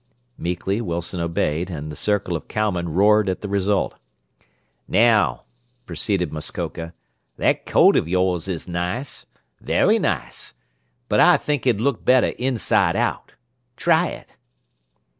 Meekly Wilson obeyed, and the circle of cowmen roared at the result. "Now," proceeded Muskoka, "that coat of yours is nice. Very nice. But I think it'd look better inside out. Try it."